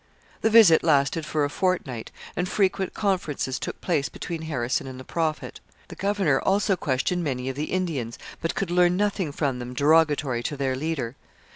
The visit lasted for a fortnight and frequent conferences took place between Harrison and the Prophet. The governor also questioned many of the Indians, but could learn nothing from them derogatory to their leader.